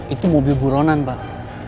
itu mobil buronan pak